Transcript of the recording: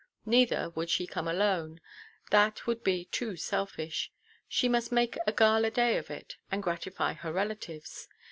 Neither would she come alone—that would be too selfish: she must make a gala day of it, and gratify her relatives.